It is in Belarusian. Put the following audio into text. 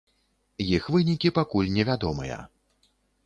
Іх вынікі пакуль невядомыя.